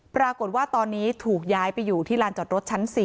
ปรากฏว่าตอนนี้ถูกย้ายไปอยู่ที่ลานจอดรถชั้น๔